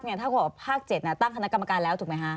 ถ้าคุณบอกว่าภาค๗ตั้งคณะกรรมการแล้วถูกไหมฮะ